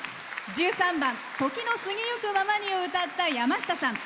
１３番「時の過ぎゆくままに」のやましたさん。